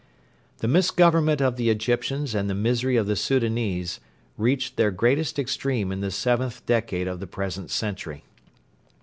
The misgovernment of the Egyptians and the misery of the Soudanese reached their greatest extreme in the seventh decade of the present century.